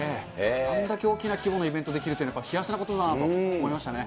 あんだけ大きな規模のイベントできるって、やっぱり幸せなことだなと思いましたね。